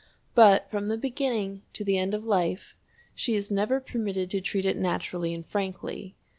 But from the beginning to the end of life she is never permitted to treat it naturally and frankly.